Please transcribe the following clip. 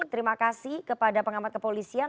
terima kasih kepada pengamat kepolisian